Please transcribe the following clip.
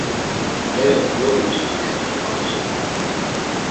“Bere bgorumt̆itu.” ya t̆ǩu artzo.